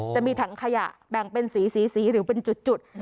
จะมีถังขยะแบ่งเป็นสีสีหรือเป็นจุด